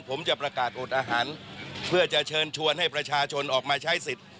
ผมจะประกาศอดอาหารเพื่อจะเชิญชวนให้ประชาชนออกมาใช้สิทธิ์